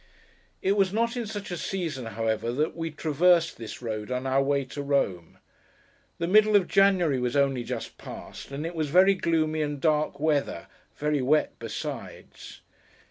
It was not in such a season, however, that we traversed this road on our way to Rome. The middle of January was only just past, and it was very gloomy and dark weather; very wet besides.